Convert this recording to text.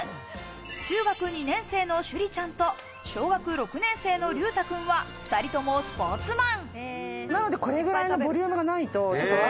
中学２年生の珠里ちゃんと、小学６年生の琉太君は２人ともスポーツマン。